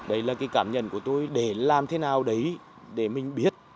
đấy là cái cảm nhận của tôi để làm thế nào đấy để mình biết